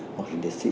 hoặc là đệ sĩ